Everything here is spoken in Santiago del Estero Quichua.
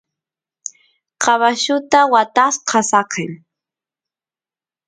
caballuta watasqa saqen